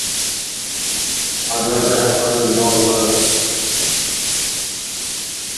I'd rather have her than all the rest.